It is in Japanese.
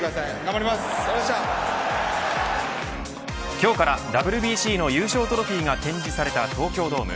今日からＷＢＣの優勝トロフィーが展示された東京ドーム。